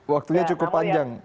waktunya cukup panjang